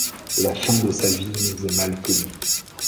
La fin de sa vie nous est mal connue.